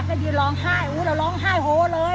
บ้าจริงร้องไห้อุ้ยเราร้องไห้โหเลย